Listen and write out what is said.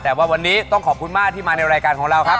แต่ว่าวันนี้ต้องขอบคุณมากที่มาในรายการของเราครับ